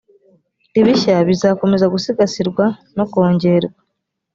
ibishya bizakomeza gusigasirwa no kongerwa